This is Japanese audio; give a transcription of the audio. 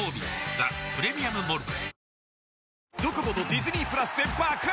「ザ・プレミアム・モルツ」